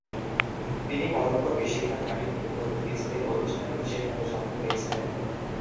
তিনি মরক্কোর বেশিরভাগ ঘাঁটি থেকে পর্তুগিজদের বহিষ্কারে বিশেষভাবে সফল ছিলেন।